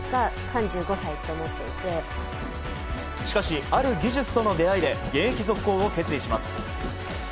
しかし、ある技術との出会いで現役続行を決意します。